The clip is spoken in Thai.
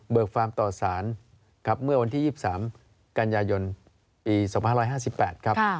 เบิกฟาร์มต่อสารในวันที่๒๓กัลยายนปี๒๕๕๘ครับ